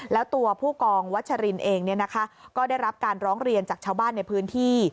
แล้วตัวผู้กองวัชรินเองก็ได้รับการร้องเรียนจากชาวบ้านในพื้นที่